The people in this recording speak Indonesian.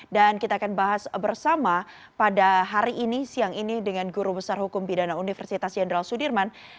dan kita akan bahas bersama pada hari ini siang ini dengan guru besar hukum bidana universitas jenderal sudirman